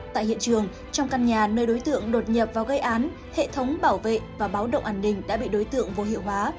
tại hiện trường trong căn nhà nơi đối tượng đột nhập vào gây án hệ thống bảo vệ và báo động an ninh đã bị đối tượng vô hiệu hóa